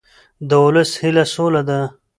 د ولس هیله سوله ده